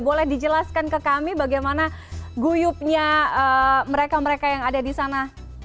boleh dijelaskan ke kami bagaimana guyupnya mereka mereka yang ada di sana